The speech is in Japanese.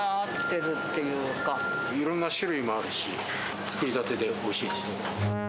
いろんな種類もあるし、作りたてでおいしいですね。